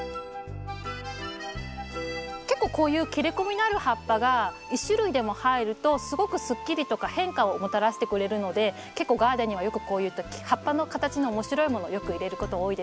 結構こういう切れ込みのある葉っぱが１種類でも入るとすごくすっきりとか変化をもたらしてくれるので結構ガーデンにはよくこういった葉っぱの形の面白いものよく入れること多いですね。